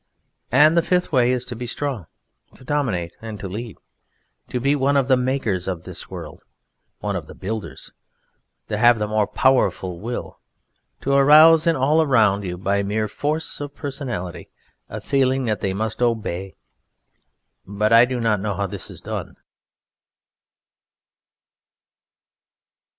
And the fifth way is to be Strong, to Dominate and to Lead. To be one of the Makers of this world, one of the Builders. To have the more Powerful Will. To arouse in all around you by mere Force of Personality a feeling that they must Obey. But I do not know how this is done.